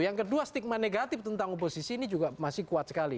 yang kedua stigma negatif tentang oposisi ini juga masih kuat sekali